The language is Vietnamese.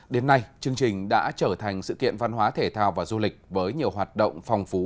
đến nay chương trình đã trở thành sự kiện văn hóa thể thao và du lịch với nhiều hoạt động phong phú